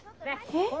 えっ？